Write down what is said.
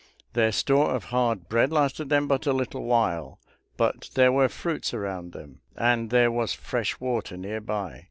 Their store of hard bread lasted them but a little while, but there were fruits around them, and there was fresh water near by.